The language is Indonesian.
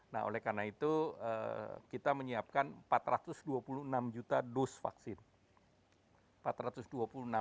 nah oleh karena itu kita menyiapkan empat ratus dua puluh enam juta dosis vaksin